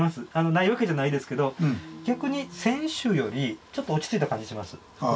ないわけじゃないですけど逆に先週よりちょっと落ち着いた感じします腹水。